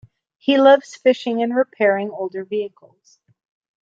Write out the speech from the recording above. He loves fishing and repairing older vehicles.